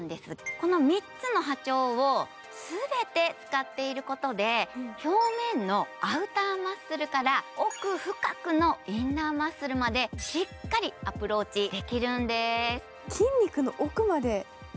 この３つの波長を全て使っていることで表面のアウターマッスルから奥深くのインナーマッスルまでしっかりアプローチできるんです。